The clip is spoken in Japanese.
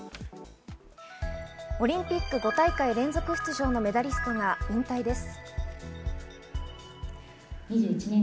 オリンピック５大会連続出場のメダリストが引退です。